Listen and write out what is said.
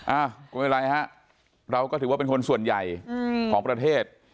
อ้าวก็ไม่เป็นไรฮะเราก็ถือว่าเป็นคนส่วนใหญ่ของประเทศ